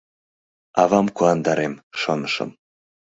«Авам куандарем», — шонышым.